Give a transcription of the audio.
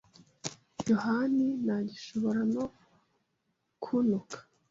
Yohani ntagishobora no kuntuka.